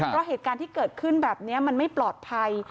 เพราะเหตุการณ์ที่เกิดขึ้นแบบนี้มันไม่ปลอดภัย